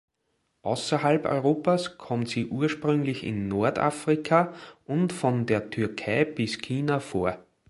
Außerhalb Europas kommt sie ursprünglich in Nordafrika und von der Türkei bis China vor.